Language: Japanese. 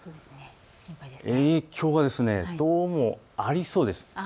影響がどうもありそうです。